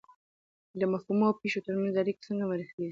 د مفهومونو او پېښو ترمنځ اړیکه څنګه معرفي کیږي؟